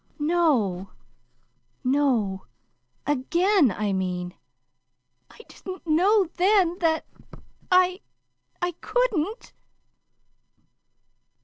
"No, no; AGAIN, I mean. I didn't know then that I I couldn't."